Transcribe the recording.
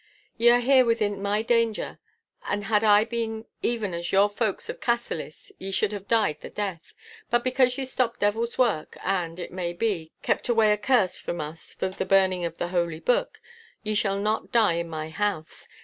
'Ye are here within my danger, and had I been even as your folk of Cassillis, ye should have died the death; but because ye stopped devil's work and, it may be, kept away a curse from us for the burning of the Holy Book, ye shall not die in my house.